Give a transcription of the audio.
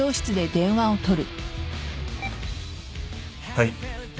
はい。